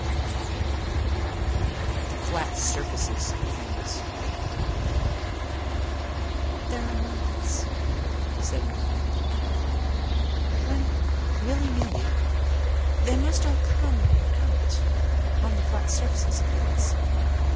II THE FLAT SURFACES OF THINGS "There are moments," said my friend Annabel Lee, "when, willy nilly, they must all come out upon the flat surfaces of things.